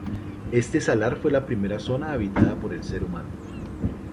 Este salar fue la primera zona habitada por el ser humano.